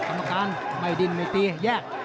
ไม่ดินไม่ตีแยก